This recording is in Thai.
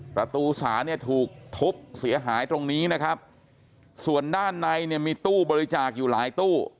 ประตูศาลเนี่ยถูกทุบเสียหายตรงนี้นะครับส่วนด้านในเนี่ยมีตู้บริจาคอยู่หลายตู้